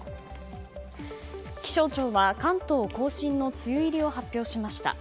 気象庁は、関東・甲信の梅雨入りを発表しました。